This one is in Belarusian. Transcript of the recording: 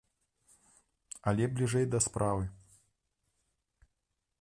Але бліжэй да справы.